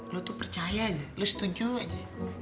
lo tuh percaya aja lo setuju aja